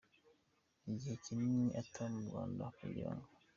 y’igihe kinini ataba mu Rwanda kugirango.